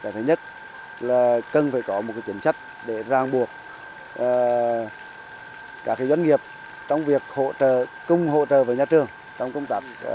thứ nhất là cần phải có một chính sách để ràng buộc các doanh nghiệp trong việc cùng hỗ trợ với nhà trường